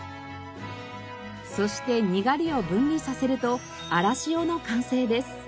そしてにがりを分離させるとあらしおの完成です。